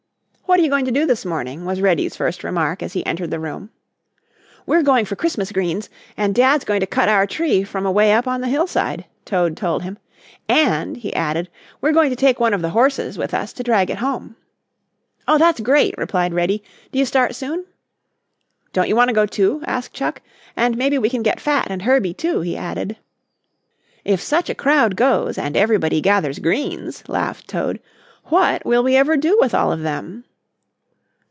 "What are you going to do this morning?" was Reddy's first remark as he entered the room. "We're going for Christmas greens and Dad's going to cut our tree from away up on the hillside," Toad told him, "and," he added, "we're going to take one of the horses with us to drag it home." "Oh, that's great!" replied Reddy. "Do you start soon?" "Don't you want to go, too?" asked Chuck. "And maybe we can get Fat and Herbie, too," he added. "If such a crowd goes, and everybody gathers greens," laughed Toad, "what will we ever do with all of them?"